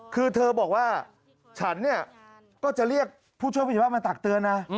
คือเธอบอกว่าฉันเนี่ยก็จะเรียกผู้ช่วยผู้ใหญ่บ้านมาตักเตือนนะ